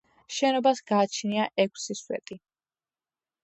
შენობას გააჩნია ექვსი სვეტი.